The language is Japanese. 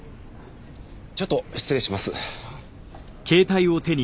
ちょっと失礼します。